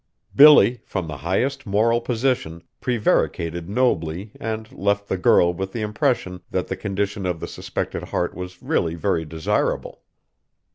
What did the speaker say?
Billy, from the highest moral position, prevaricated nobly, and left the girl with the impression that the condition of the suspected heart was really very desirable.